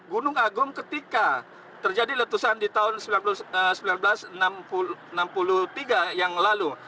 gunung agung ketika terjadi letusan di tahun seribu sembilan ratus enam puluh tiga yang lalu